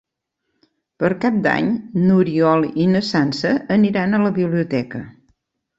Per Cap d'Any n'Oriol i na Sança aniran a la biblioteca.